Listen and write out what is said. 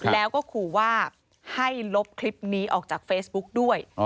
แล้วก็ขู่ว่าให้ลบคลิปนี้ออกจากเฟซบุ๊กด้วย